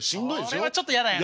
それはちょっと嫌だよね。